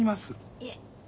いえ。